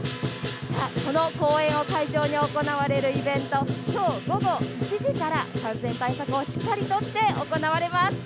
この公園を会場に行われるイベント、きょう午後１時から感染対策をしっかりとって行われます。